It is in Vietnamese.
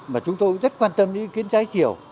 mà chúng tôi rất quan tâm đến ý kiến trái chiều